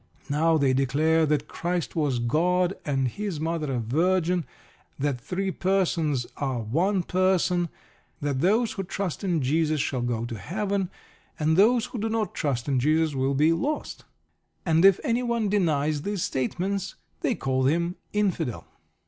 Now they declare that Christ was God, and His mother a virgin; that three persons are one person; that those who trust in Jesus shall go to Heaven, and those who do not trust in Jesus will be "lost." And if anyone denies these statements, they call him Infidel.